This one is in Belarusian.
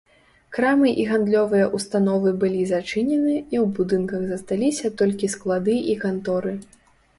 Крамы і гандлёвыя ўстановы былі зачынены і ў будынках засталіся толькі склады і канторы.